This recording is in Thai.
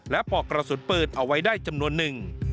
และปอกกระสุนปืนเอาไว้ได้จำนวนหนึ่ง